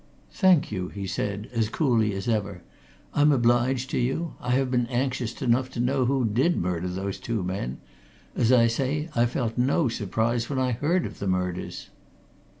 "Thank you," he said, as coolly as ever. "I'm obliged to you. I've been anxious enough to know who did murder those two men. As I say, I felt no surprise when I heard of the murders."